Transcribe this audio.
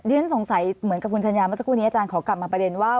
ฉันสงสัยเหมือนกับคุณชัญญาเมื่อสักครู่นี้อาจารย์ขอกลับมาประเด็นว่า